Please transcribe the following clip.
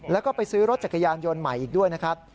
แล้วก็ไปซื้อรถจักรยานยนต์ใหม่อีกด้วยนะครับ